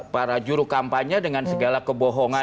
para juru kampanye dengan segala kebohongan